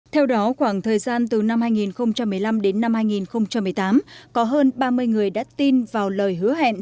theo đó khoảng thời gian từ năm hai nghìn một mươi năm đến năm hai nghìn một mươi tám có hơn ba mươi người đã tin vào lời hứa hẹn